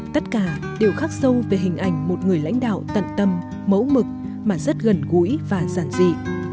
tất cả đều khác sâu về hình ảnh một người lãnh đạo tận tâm mẫu mực mà rất gần gũi và giản dị